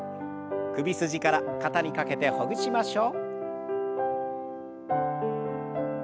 首筋から肩にかけてほぐしましょう。